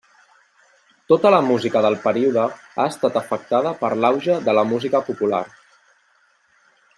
Tota la música del període ha estat afectada per l'auge de la música popular.